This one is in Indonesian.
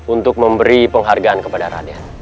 untuk memberi penghargaan kepada raden